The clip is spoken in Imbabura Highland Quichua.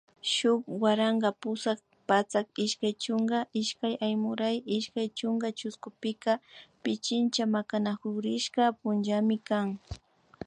Shuk waranka pusak patsak ishkay chunka ishkay Aymuray ishkay chunka chushkupika Pichincha Makanakurishka punllami kan